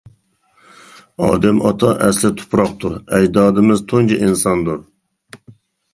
ئادەم ئاتا ئەسلى تۇپراقتۇر، ئەجدادىمىز تۇنجى ئىنساندۇر.